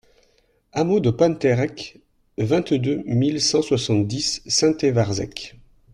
Hameau de Pentérc'h, vingt-neuf mille cent soixante-dix Saint-Évarzec